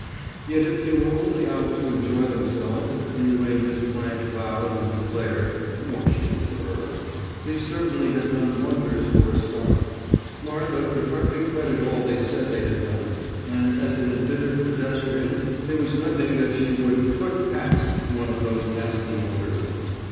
Yet if they were only out to enjoy themselves, in the way Miss Blanche vowed and declared (more shame for her), they certainly had done wonders for a start. Martha could hardly credit all they said they had done, and as an embittered pedestrian there was nothing that she would "put past" one of those nasty motors.